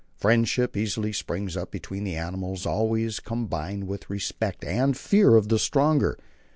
Friendship easily springs up between these animals always combined with respect and fear of the stronger.